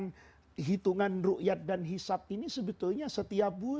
yang hitungan ruqyat dan hisab ini sebetulnya setiap bulan